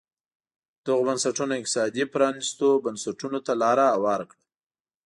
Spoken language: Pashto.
دغو بنسټونو اقتصادي پرانیستو بنسټونو ته لار هواره کړه.